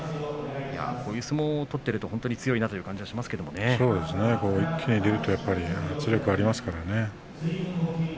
こういう相撲を取っていると本当に強いなという感じが圧力がありますからね。